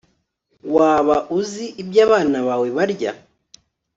waba uzi ibyo abana bawe barya